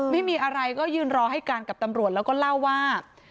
ไม่มีอะไรก็ยืนรอให้การกับตำรวจแล้วก็เล่าว่า